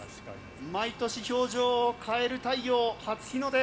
毎年表情を変える太陽初日の出。